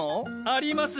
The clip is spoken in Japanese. あります。